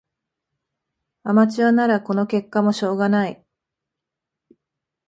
アマチュアならこの結果もしょうがない